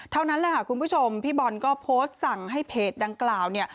เท่านั้นเลยคุณผู้ชมพี่บอลก็โพสต์สั่งให้เพจดังกล่าว